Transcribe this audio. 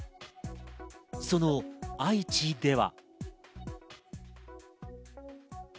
その愛知では。